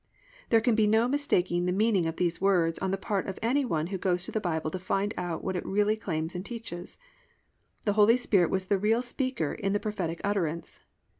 "+ There can be no mistaking the meaning of these words on the part of any one who goes to the Bible to find out what it really claims and teaches. The Holy Spirit was the real speaker in the prophetic utterance.